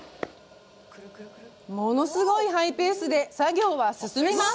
物すごいハイペースで作業は進みます。